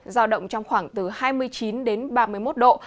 giao động trong khoảng từ hai mươi chín đến ba mươi một độ